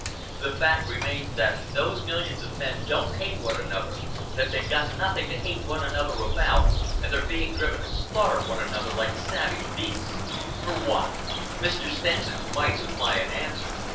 The fact remains that those millions of men don't hate one another, that they've got nothing to hate one another about, and they're being driven to slaughter one another like savage beasts. For what? Mr. Stenson might supply an answer.